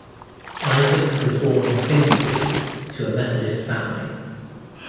Isaacs was born in Finsbury to a Methodist family.